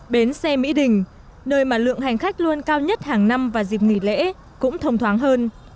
bến xe mỹ đình nơi mà lượng hành khách luôn cao nhất hàng năm và dịp nghỉ lễ cũng thông thoáng hơn